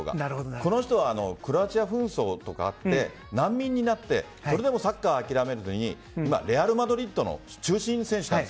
この人はクロアチア紛争とかあって難民になってそれでもサッカーを諦めずにレアルマドリードの中心選手なんです。